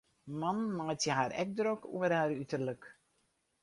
Mannen meitsje har ek drok oer har uterlik.